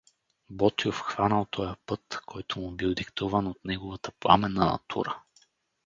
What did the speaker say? Ботйов хванал тоя път, който му бил диктуван от неговата пламенна натура.